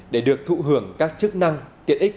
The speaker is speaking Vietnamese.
để được thụ hưởng các chức năng tiện ích